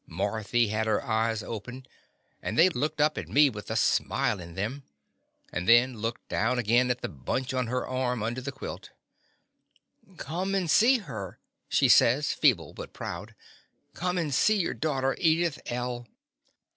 Marthy had her eyes open, and they The Confessions of a Daddy looked up at me with a smile in them, and then looked down again at the bunch on her arm under the quilt. "Come and see her," she says, feeble but proud. "Come and see your daughter, Edith L."